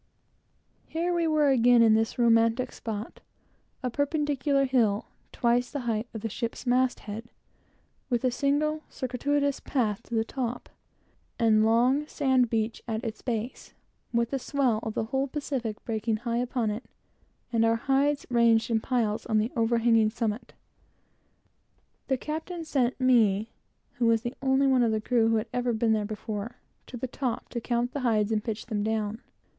Here we were again, in this romantic spot; a perpendicular hill, twice the height of the ship's mast head, with a single circuitous path to the top, and long sand beach at its base, with the swell of the whole Pacific breaking high upon it, and our hides ranged in piles on the overhanging summit. The captain sent me, who was the only one of the crew that had ever been there before, to the top, to count the hides and pitch them down.